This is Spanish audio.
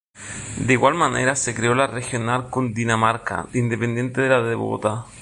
De igual manera, se creó la regional Cundinamarca, independiente de la de Bogotá.